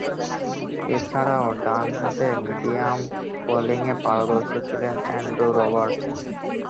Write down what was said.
এছাড়াও, ডানহাতে মিডিয়াম বোলিংয়ে পারদর্শী ছিলেন অ্যান্ড্রু রবার্টস।